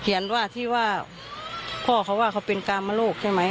ว่าที่ว่าพ่อเขาว่าเขาเป็นกามโลกใช่ไหม